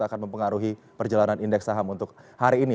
akan mempengaruhi perjalanan indeks saham untuk hari ini